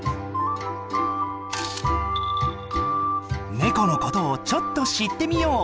ネコのことをちょっと知ってみよう。